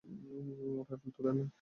Rifle তুলে নিন।